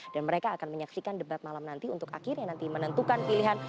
dan mereka akan menyaksikan debat malam nanti untuk akhirnya nanti menentukan pilihan